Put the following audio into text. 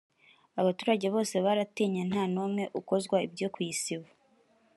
abaturage bose barayitinye nta n’umwe ukozwa ibyo kuyisiba